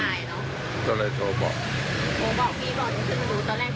แล้วก็มันได้หยิดโทรศัพท์นะครับ